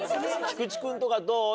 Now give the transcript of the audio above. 菊池君とかどう？